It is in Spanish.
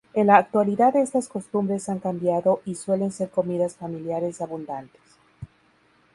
En la actualidad estas costumbres han cambiado y suelen ser comidas familiares abundantes.